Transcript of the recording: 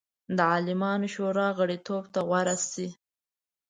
د عالمانو شورا غړیتوب ته غوره شي.